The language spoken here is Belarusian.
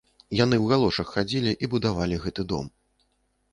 Яны ў галошах хадзілі і будавалі гэты дом.